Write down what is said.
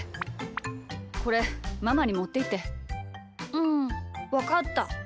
うんわかった。